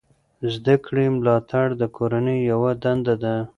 د زده کړې ملاتړ د کورنۍ یوه دنده ده.